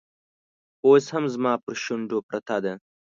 اوس هم زما پر شونډو پرته ده